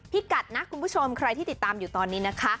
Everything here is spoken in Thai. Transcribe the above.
กัดนะคุณผู้ชมใครที่ติดตามอยู่ตอนนี้นะคะ